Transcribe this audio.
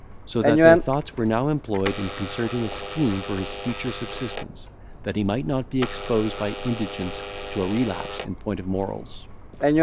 So that their thoughts were now employed in concerting a scheme for his future subsistence, that he might not be exposed by indigence to a relapse in point of morals.